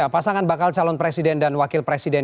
pasangan bakal calon presiden dan wakil presiden